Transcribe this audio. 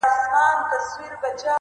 په موږک پسي جوړ کړی یې هی هی وو.!